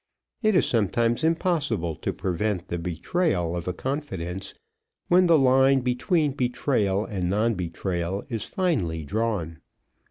It is sometimes impossible to prevent the betrayal of a confidence, when the line between betrayal and non betrayal is finely drawn.